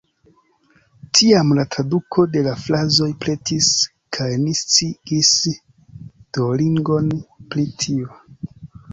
Tiam la traduko de la frazoj pretis kaj ni sciigis Duolingon pri tio.